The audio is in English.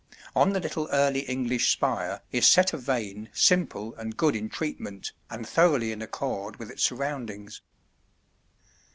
On the little Early English spire is set a vane simple and good in treatment, and thoroughly in accord with its surroundings.